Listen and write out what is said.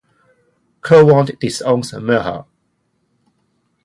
Kulwant disowns Meher.